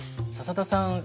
笹田さん